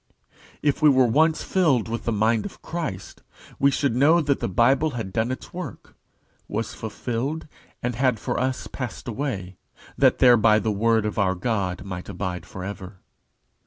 If we were once filled with the mind of Christ, we should know that the Bible had done its work, was fulfilled, and had for us passed away, that thereby the Word of our God might abide for ever.